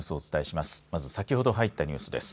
まず先ほど入ったニュースです。